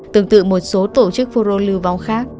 tương tự một số tổ chức phun rô lưu vong khác